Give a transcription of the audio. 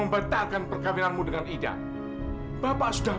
mengaji itu kan ibadah